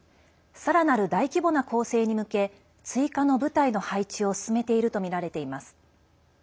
さらなる大規模な攻勢に向け追加の部隊の配置を進めているとみられています。